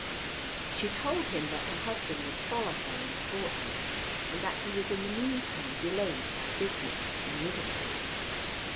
She told him that her husband would follow her in a fortnight, and that he was in the mean time delayed by business in Liverpool.